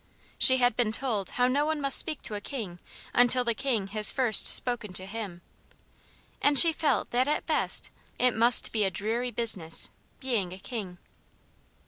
She had been told how no one must speak to a king until the king has first spoken to him; and she felt that at best it must be a dreary business being a king.